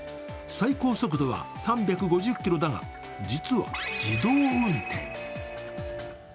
最高速度は３５０ｋｍだが、実は自動運転。